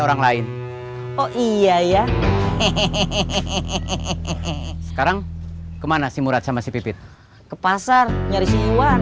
orang lain oh iya ya hehehe sekarang kemana sih murad sama si pipit ke pasar nyari si iwan